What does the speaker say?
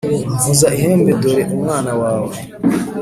Vuza ihembe Dore umwana wawe